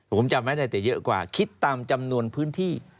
ผมจำไม่ได้แต่เยอะกว่าคิดตามจำนวนพื้นที่